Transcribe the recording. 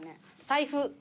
財布！